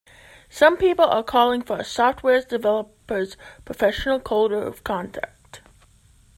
Some people are calling for a software developers' professional code of conduct.